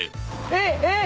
「えっ？えっ？」